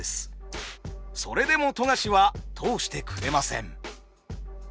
それでも富樫は通してくれません。